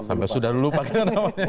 sampai sudah lupa namanya